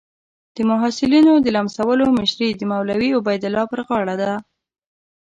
د محصلینو د لمسولو مشري د مولوي عبیدالله پر غاړه ده.